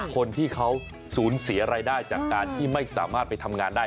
คนที่เขาสูญเสียรายได้จากการที่ไม่สามารถไปทำงานได้